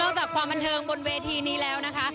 จากความบันเทิงบนเวทีนี้แล้วนะคะ